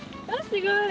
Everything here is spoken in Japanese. すごい。